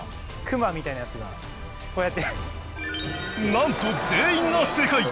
クマみたいなやつがこうやってなんと全員が正解！